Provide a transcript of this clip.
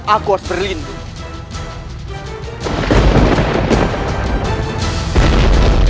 aku harus berlindung